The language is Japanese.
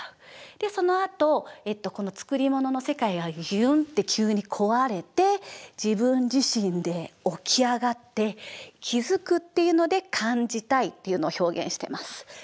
そのあとこの作り物の世界がギュンって急に壊れて自分自身で起き上がって気付くっていうので「感じたい」っていうのを表現してます。